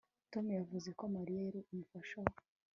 Tom yavuze ko Mariya yari umufasha we